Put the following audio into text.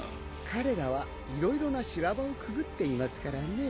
彼らは色々な修羅場をくぐっていますからね。